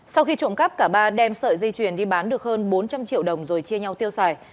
sau khi trộm cắp cả ba đem sợi dây chuyền đi bán được hơn bốn trăm linh triệu đồng rồi chia nhau tiêu xài